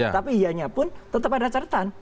tapi iyanya pun tetap ada catatan